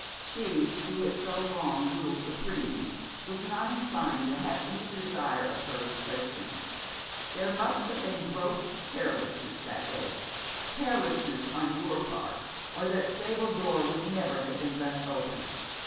She who had so long ruled supreme was not inclined to have any desire of hers questioned. 'There must have been gross carelessness that day carelessness on your part, or that stable door would never have been left open.